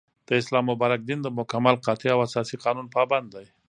داسلام مبارك دين دمكمل ، قاطع او اساسي قانون پابند دى